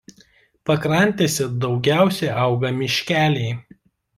Pakrantėse daugiausia auga miškeliai.